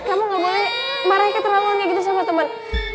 kamu enggak boleh marahnya terlalu banyak gitu sama temen